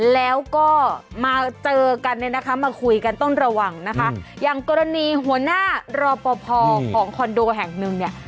แล้วก็มาเจอกันเนี่ยนะคะมาคุยกันต้องระวังนะคะอย่างกรณีหัวหน้ารอปภของคอนโดแห่งหนึ่งเนี่ย